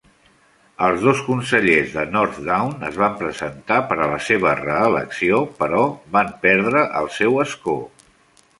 Els dos consellers de North Down es van presentar per a la seva reelecció, però van perdre el seu escó.